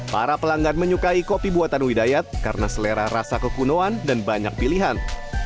para pelanggan menyukai kopi buatan widayat karena selera rasa kekunoan dan banyak pilihan